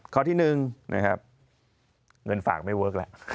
ข้อที่๑นะครับเงินฝากไม่เวิร์คแล้ว